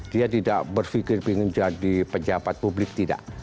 dia tidak berpikir ingin jadi pejabat publik tidak